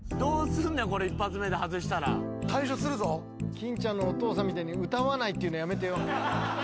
金ちゃんのお父さんみたいに歌わないっていうのやめてよ。